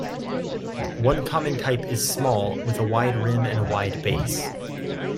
One common type is small, with a wide rim and a wide base.